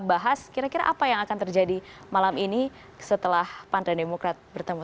kita bahas kira kira apa yang akan terjadi malam ini setelah pantai demokrat bertemu